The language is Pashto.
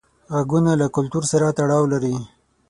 غږونه له کلتور سره تړاو لري.